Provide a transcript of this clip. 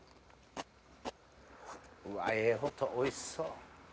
うわええ音おいしそう。